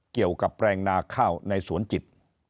เกี่ยวกับแปลงนาข้าวในสวนจิต